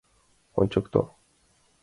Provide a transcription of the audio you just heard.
— Ончыкто.